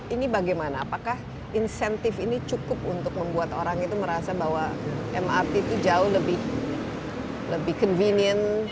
ini bagaimana apakah insentif ini cukup untuk membuat orang itu merasa bahwa mrt itu jauh lebih convenient